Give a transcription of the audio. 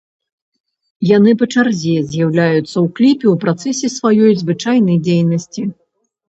Яны па чарзе з'яўляюцца ў кліпе ў працэсе сваёй звычайнай дзейнасці.